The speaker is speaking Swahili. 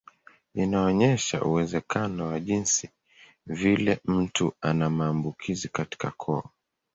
Inaonyesha uwezekano wa jinsi vile mtu ana maambukizi katika koo.